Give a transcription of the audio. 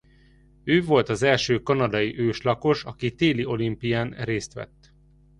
Ő volt az első kanadai őslakos aki téli olimpián részt vett.